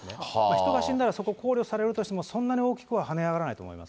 人が死んだら、そこ考慮されるとしても、そんなに大きくは跳ね上がらないと思います。